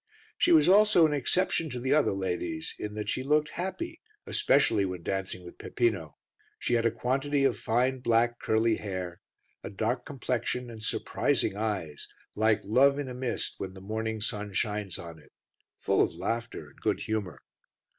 She was also an exception to the other ladies in that she looked happy, especially when dancing with Peppino. She had a quantity of fine, black, curly hair, a dark complexion and surprising eyes, like Love in a mist when the morning sun shines on it, full of laughter and good humour.